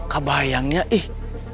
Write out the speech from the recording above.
kak bayangnya ih